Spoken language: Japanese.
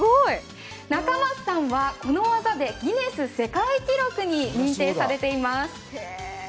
仲舛さんはこの技でギネス世界記録に認定されています。